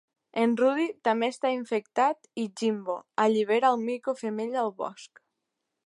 En Rudy també està infectat i "Jimbo" allibera el mico femella al bosc.